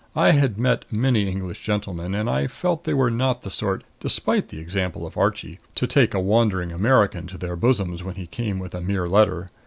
I had met many English gentlemen, and I felt they were not the sort despite the example of Archie to take a wandering American to their bosoms when he came with a mere letter.